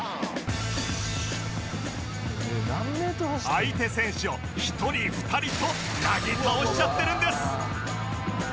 相手選手を１人２人となぎ倒しちゃってるんです